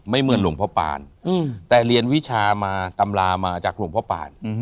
เหมือนหลวงพ่อปานแต่เรียนวิชามาตำรามาจากหลวงพ่อปาน